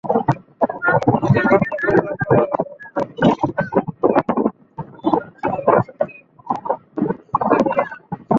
আপনাকে বাচ্চা পয়দা করার জন্য জন সাহেবের সাথে শুতে হবে না।